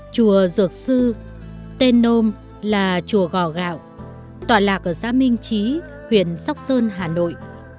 chùa dược sư tên nôm là chùa gò gạo tọa lạc ở xã minh trí huyện sóc sơn hà nội